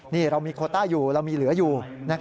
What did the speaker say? นี่เรามีโคต้าอยู่เรามีเหลืออยู่